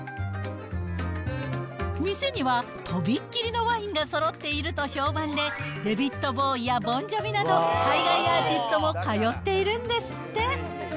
店には飛びっきりのワインがそろっていると評判で、デビッド・ボウイやボンジョビなど海外アーティストも通っているんですって。